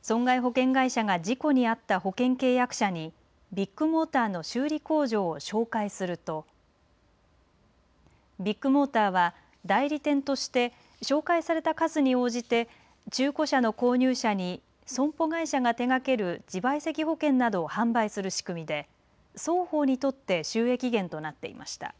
損害保険会社が事故に遭った保険契約者にビッグモーターの修理工場を紹介するとビッグモーターは代理店として紹介された数に応じて中古車の購入者に損保会社が手がける自賠責保険などを販売する仕組みで双方にとって収益源となっていました。